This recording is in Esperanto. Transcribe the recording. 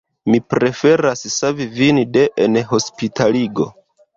Mi preferas savi vin de enhospitaligo.